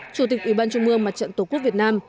chủ tịch ủy ban trung mương mặt trận tổ quốc việt nam